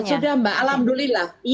sudah mbak alhamdulillah